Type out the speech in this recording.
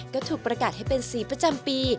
ก็ถูกประกาศให้เป็นสีประจำปี